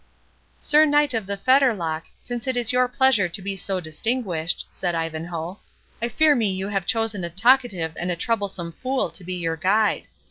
"Sir Knight of the Fetterlock, since it is your pleasure so to be distinguished," said Ivanhoe, "I fear me you have chosen a talkative and a troublesome fool to be your guide.